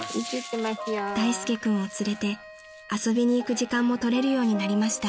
［大介君を連れて遊びに行く時間もとれるようになりました］